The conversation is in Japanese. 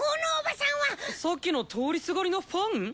さっきの通りすがりのファン！？